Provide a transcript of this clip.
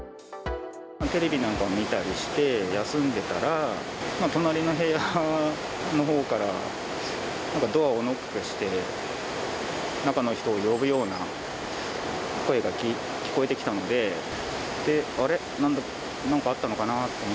テレビなんかを見たりして休んでたら、隣の部屋のほうからなんかドアをノックして、中の人を呼ぶような声が聞こえてきたので、あれ？